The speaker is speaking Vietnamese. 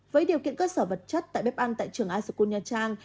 với điều kiện cơ sở vật chất tại bếp ăn tại trường asoku nha trang